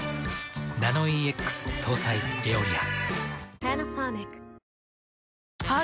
ナノイーＸ搭載「エオリア」。